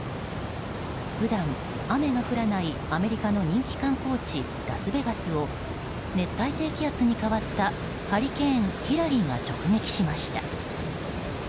普段、雨が降らないアメリカの人気観光地ラスベガスを熱帯低気圧に変わったハリケーン、ヒラリーが直撃しました。